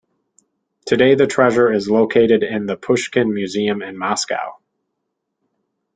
Today the treasure is located in the Pushkin Museum in Moscow.